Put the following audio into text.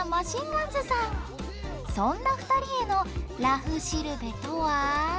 そんな２人への「らふしるべ」とは？